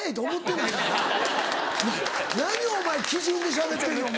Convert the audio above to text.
な何お前基準でしゃべってんねんお前。